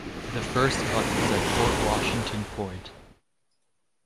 The first cut was at Fort Washington Point.